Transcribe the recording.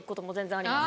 あります。